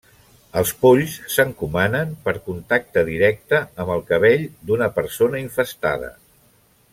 Els polls s'encomanen per contacte directe amb el cabell d'una persona infestada.